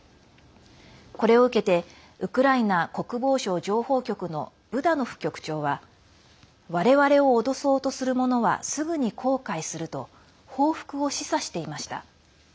これを受けてウクライナ国防省情報局のブダノフ局長は我々を脅そうとする者はすぐに後悔すると報復を示唆していました。